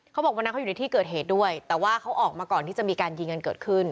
เขาบอกวันนั้นเขาอยู่ในที่เกิดเหตุด้วยแต่ว่าเขาออกมาก่อนที่จะมีการยิงกันเกิดขึ้น